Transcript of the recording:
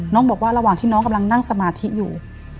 บอกว่าระหว่างที่น้องกำลังนั่งสมาธิอยู่